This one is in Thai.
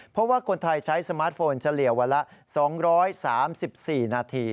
เพราะว่าคนไทยใช้สมาร์ทโฟนเฉลี่ยวันละ๒๓๔นาที